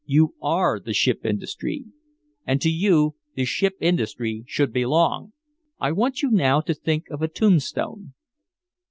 You are the ship industry and to you the ship industry should belong! "I want you now to think of a tombstone.